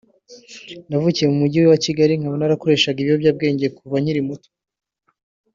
”Navukiye mu mujyi wa Kigali nkaba narakoreshaga ibiyobyabwenge kuva nkiri muto